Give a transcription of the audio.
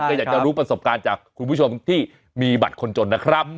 ก็อยากจะรู้ประสบการณ์จากคุณผู้ชมที่มีบัตรคนจนนะครับ